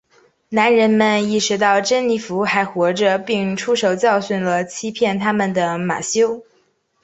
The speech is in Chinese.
男人们意识到珍妮佛还活着并出手教训了欺骗他们的马修。